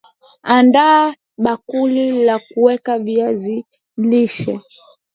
andaa bakuli la kuweka viazi lishe